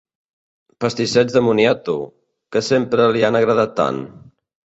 Pastissets de moniato, que sempre li han agradat tant?